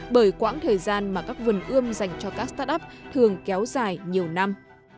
bởi quãng thời gian mà các vườn ươm dành cho các start up thường kéo dài nhiều năm